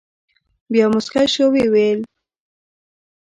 بیا مسکی شو او ویې ویل.